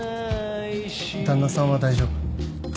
旦那さんは大丈夫？